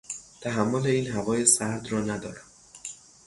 تحمل این هوای سرد را ندارم.